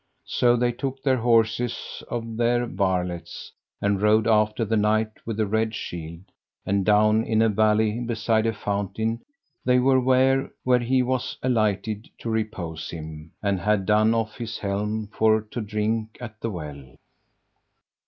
So they took their horses of their varlets, and rode after the Knight with the Red Shield; and down in a valley beside a fountain they were ware where he was alighted to repose him, and had done off his helm for to drink at the well.